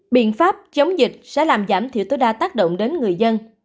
biện pháp chống dịch sẽ làm giảm thiểu tối đa tác động đến người dân